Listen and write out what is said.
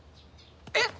えっ？